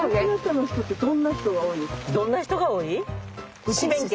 どんな人が多い？